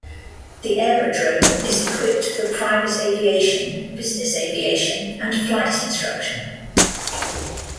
The aerodrome is equipped for private aviation, business aviation and flight instruction.